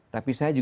tapi saya juga